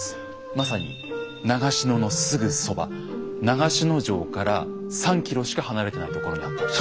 まさに長篠のすぐそば長篠城から３ｋｍしか離れてないところにあったんです。